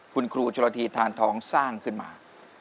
คุณครูชนละทีทานทองสร้างขึ้นมา